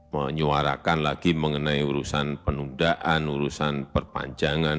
menyuarakan lagi mengenai urusan penundaan urusan perpanjangan